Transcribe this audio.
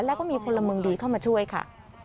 แล้วก็มีพลเมืองดีเข้ามาช่วยค่ะ